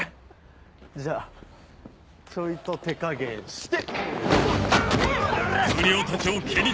じゃちょいと手加減して。